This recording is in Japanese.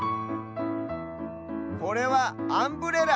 これはアンブレラ。